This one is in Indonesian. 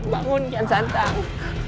bangun kian santang